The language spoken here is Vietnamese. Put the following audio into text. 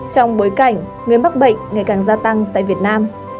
trong bối cảnh người mắc bệnh ngày càng gia tăng tại việt nam